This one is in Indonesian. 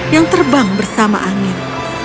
yang terbang bersama angin